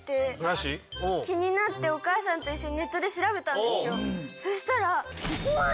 気になってお母さんと一緒にネットで調べたんですよ。